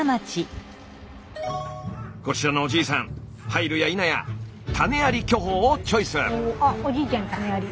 こちらのおじいさん入るやいなや種あり巨峰をチョイス。